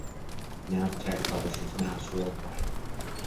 Navteq publishes maps worldwide.